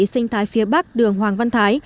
sinh thái phía bắc đường hoàng văn thái